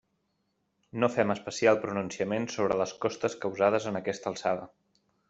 No fem especial pronunciament sobre les costes causades en aquesta alçada.